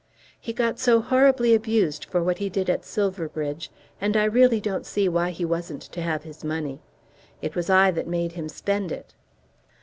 "He got so horribly abused for what he did at Silverbridge; and I really don't see why he wasn't to have his money. It was I that made him spend it."